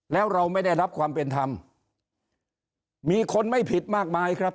แล้วเราไม่ได้รับความเป็นธรรมมีคนไม่ผิดมากมายครับ